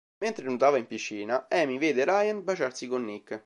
Mentre nuotava in piscina, Amy vede Ryan baciarsi con Nick.